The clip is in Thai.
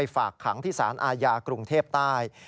ฝากขังที่สารอาญากรุงเทพใต้